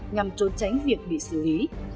nhằm trốn tránh việc bị xử lý